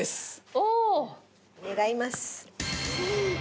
おお。願います。